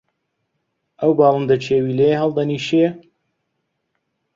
ئەو باڵندە کێویلەیە هەڵدەنیشێ؟